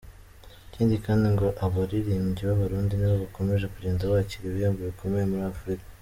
Ikindi kandi ngo abaririmbyi b’Abarundi nibo bakomeje kugenda bakira ibihembo bikomeye muri Afurika.